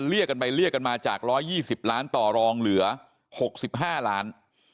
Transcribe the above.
เรียกกันไปเรียกกันมาจาก๑๒๐ล้านต่อรองเหลือ๖๕ล้าน